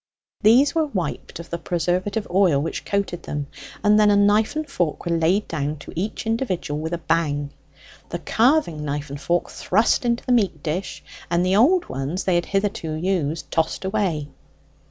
These were wiped of the preservative oil which coated them, and then a knife and fork were laid down to each individual with a bang, the carving knife and fork thrust into the meat dish, and the old ones they had hitherto used tossed away.